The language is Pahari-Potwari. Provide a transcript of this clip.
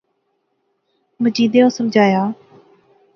مجیدیں او سمجھایا